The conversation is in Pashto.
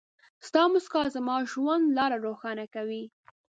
ستا مسکا زما د ژوند لاره روښانه کوي.